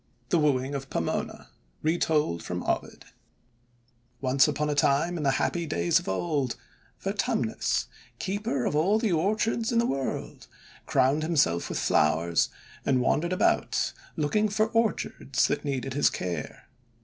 THE WOOING OF POMONA Retold from Ovid ONCE upon a time, in the happy days of old, Vertumnus, Keeper of All the Orchards in the World, crowned himself with flowers, and wan dered about looking for orchards that needed his care.